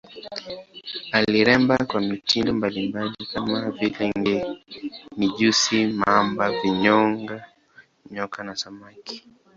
Aliremba kwa mitindo mbalimbali kama vile nge, mijusi, mamba, vinyonga, nyoka na samaki.